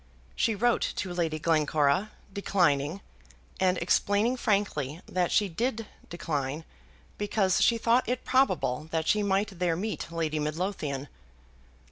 She wrote to Lady Glencora, declining, and explaining frankly that she did decline, because she thought it probable that she might there meet Lady Midlothian.